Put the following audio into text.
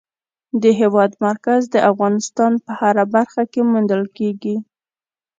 د هېواد مرکز د افغانستان په هره برخه کې موندل کېږي.